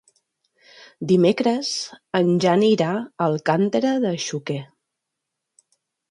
Dimecres en Jan irà a Alcàntera de Xúquer.